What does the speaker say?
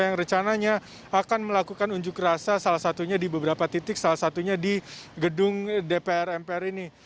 yang rencananya akan melakukan unjuk rasa salah satunya di beberapa titik salah satunya di gedung dpr mpr ini